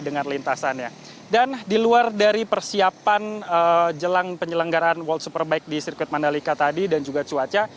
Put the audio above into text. dan di luar dari persiapan jelang penyelenggaraan world superbike di sirkuit mandalika tadi dan juga cuaca